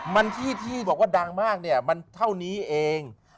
มันที่ที่บอกว่าดังมากเนี่ยมันเท่านี้เอง